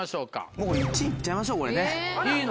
もう１位行っちゃいましょうこれね。